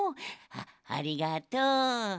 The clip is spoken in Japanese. あありがとう。